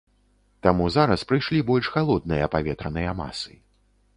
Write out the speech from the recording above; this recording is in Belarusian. Таму зараз прыйшлі больш халодныя паветраныя масы.